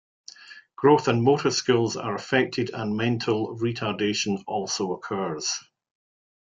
Growth and motor skills are affected, and mental retardation also occurs.